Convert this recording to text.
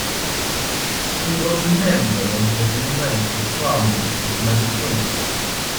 He was a member of the United Farmers of Manitoba.